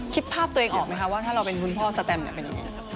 คิดภาพตัวเองออกไหมคะว่าถ้าเราเป็นคุณพ่อสแตมเป็นยังไงครับ